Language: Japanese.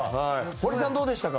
堀さん、どうでしたか？